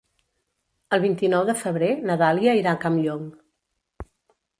El vint-i-nou de febrer na Dàlia irà a Campllong.